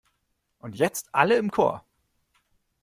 Und jetzt alle im Chor!